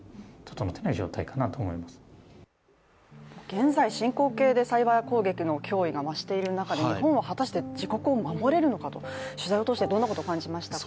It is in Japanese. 現在進行形でサイバー攻撃の脅威が増している中日本は果たして自国を守れるのかと、取材を通してどんなことを感じましたか？